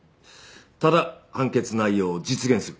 ただ判決内容を実現する。